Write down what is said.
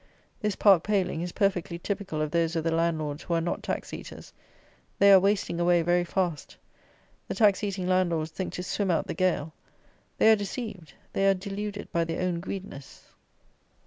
This park paling is perfectly typical of those of the landlords who are not tax eaters. They are wasting away very fast. The tax eating landlords think to swim out the gale. They are deceived. They are "deluded" by their own greediness.